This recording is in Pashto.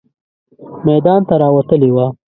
میدان ته راوتلې وه.